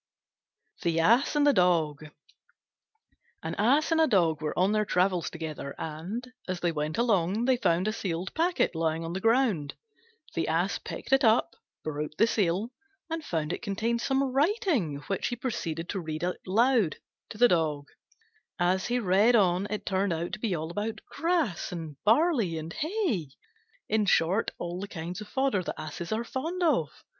THE ASS AND THE DOG An Ass and a Dog were on their travels together, and, as they went along, they found a sealed packet lying on the ground. The Ass picked it up, broke the seal, and found it contained some writing, which he proceeded to read out aloud to the Dog. As he read on it turned out to be all about grass and barley and hay in short, all the kinds of fodder that Asses are fond of.